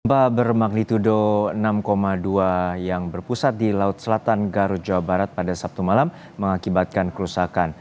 gempa bermagnitudo enam dua yang berpusat di laut selatan garut jawa barat pada sabtu malam mengakibatkan kerusakan